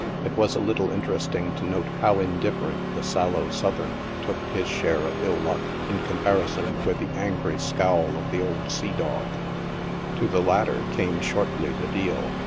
It was a little interesting to note how indifferent the sallow Southern took his share of ill luck in comparison with the angry scowl of the old sea dog ; to the latter came shortly the deal.